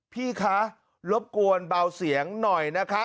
พี่คะรบกวนเบาเสียงหน่อยนะคะ